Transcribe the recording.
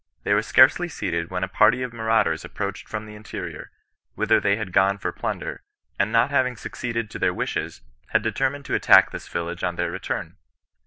They were scarcely seated when a party of marauders approached from the interior, whither they had gone for plunder, and not having suc ceeded to their wishes, had determined to attack this village on their return.